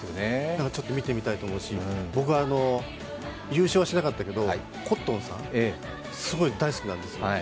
だからちょっと見てみたいと思うし、僕は優勝しなかったけどコットンさん、すごい大好きなんです。